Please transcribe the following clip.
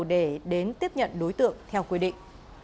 để đến tiếp nhận đối tượng theo quy định